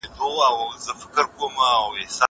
انځورونه د زهشوم له خوا رسم کيږي!!